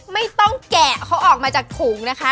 ไม่ต้องแกะเขาออกมาจากถุงนะคะ